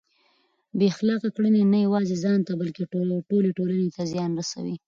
بې اخلاقه کړنې نه یوازې ځان ته بلکه ټولې ټولنې ته زیان رسوي.